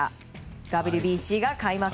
ＷＢＣが開幕。